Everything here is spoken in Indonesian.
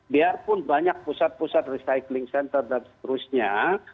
biarpun banyak pusat pusat recycling center dan seterusnya